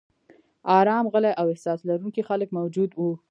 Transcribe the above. ارام، غلي او احساس لرونکي خلک موجود و.